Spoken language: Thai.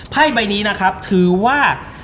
ไพ่ใบนี้นะครับถือว่า